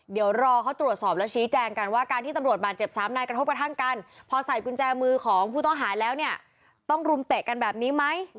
เดี๋ยวรอเขาตรวจสอบแล้วชี้แจงกันว่าการที่ตำรวจบาดเจ็บสามนายกระทบกระทั่งกันพอใส่กุญแจมือของผู้ต้องหาแล้วเนี่ยต้องรุมเตะกันแบบนี้ไหม